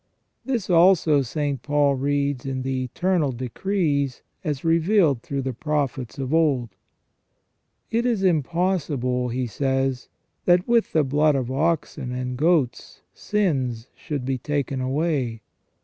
This also St. Paul reads in the eternal decrees, as revealed through the prophets of old. " It is impos sible," he says, " that with the blood of oxen and goats sins should be taken away.